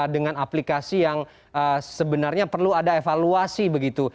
dengan aplikasi yang sebenarnya perlu ada evaluasi begitu